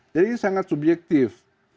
jadi ini sangat subjektif